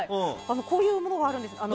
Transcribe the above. こういうものがあるんです。